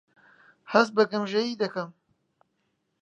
هەست بە گەمژەیی دەکەم.